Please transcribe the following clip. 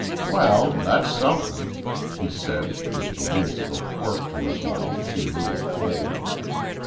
"Well, that's somethin'," he said with the whimsical quirk to his mouth she knew of old.